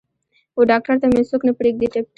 وډاکتر ته مې څوک نه پریږدي تپیږم